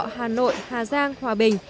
hà nội hà giang hòa bình